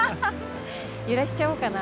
揺らしちゃおうかな？